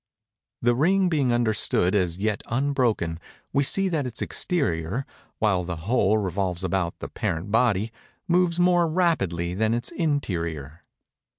The ring being understood as yet unbroken, we see that its exterior, while the whole revolves about the parent body, moves more rapidly than its interior.